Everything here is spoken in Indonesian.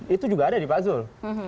itu juga ada di pak zul